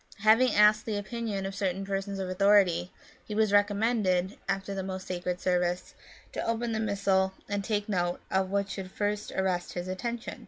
Having asked the opinion of certain persons of authority, he was recommended, after the most sacred service, to open the Missal and to take note of what should first arrest his attention.